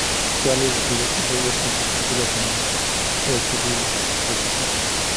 Charlie decide que solo podrá conocerla tomando el autobús de vuelta a casa.